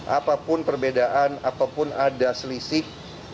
apapun perbedaan apapun ada selisih